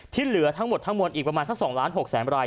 เหลือทั้งหมดทั้งมวลอีกประมาณสัก๒๖๐๐๐ราย